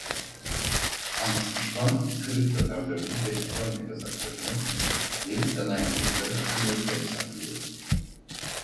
Antlaşma Kırım Tatarlarının ve Ukrayna Kazaklarının Lehistan'a yaptıkları akınları da yasaklıyordu.